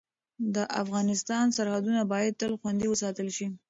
د افغانستان سرحدونه باید تل خوندي وساتل شي.